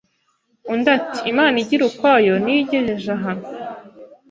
Undi ati Imana igira ukwayo ni yo ingejeje aha